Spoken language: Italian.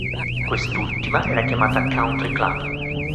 Quest'ultima era chiamata "Country Club".